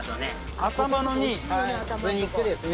頭肉ですね。